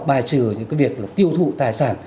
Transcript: bài trừ những việc tiêu thụ tài sản